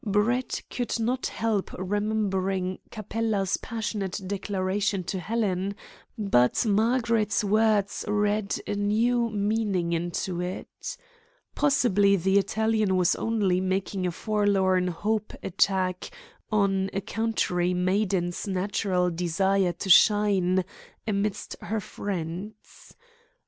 Brett could not help remembering Capella's passionate declaration to Helen, but Margaret's words read a new meaning into it. Possibly the Italian was only making a forlorn hope attack on a country maiden's natural desire to shine amidst her friends.